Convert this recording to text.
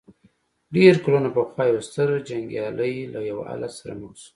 ډېر کلونه پخوا يو ستر جنګيالی له يوه حالت سره مخ شو.